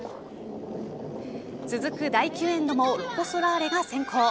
続く第９エンドもロコ・ソラーレが先攻。